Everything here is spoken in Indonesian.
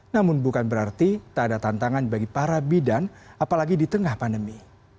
namun bukan berarti tak ada tantangan bagi para bidan apalagi di tengah pandemi